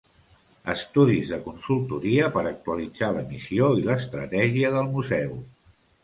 Estudis de consultoria per actualitzar la missió i l'estratègia del museu.